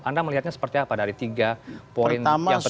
anda melihatnya seperti apa dari tiga poin yang terjadi